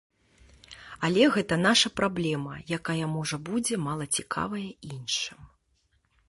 Але гэта наша праблема, якая, можа, будзе мала цікавая іншым.